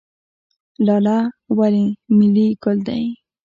لاله ولې ملي ګل دی؟